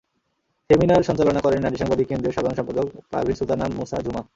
Seminar সঞ্চালনা করেন নারী সাংবাদিক কেন্দ্রের সাধারণ সম্পাদক পারভীন সুলতানা মূসা ঝুমা।